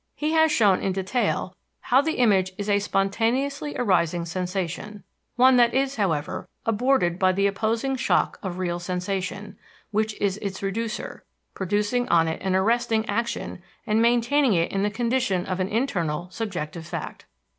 He has shown in detail how the image is a spontaneously arising sensation, one that is, however, aborted by the opposing shock of real sensation, which is its reducer, producing on it an arresting action and maintaining it in the condition of an internal, subjective fact.